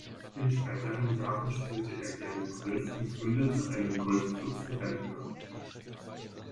In späteren Jahren spielte er gerne Golf und gründete einen Golfclub für Rentner.